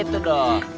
oke gitu dong